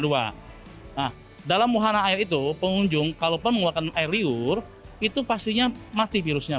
nah dalam muhana air itu pengunjung kalau pengunjung air liur itu pastinya mati virusnya